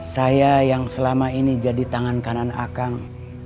saya yang selama ini jadi tangan kanan akang